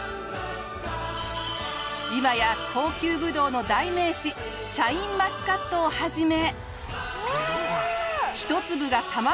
今や高級ぶどうの代名詞シャインマスカットを始め。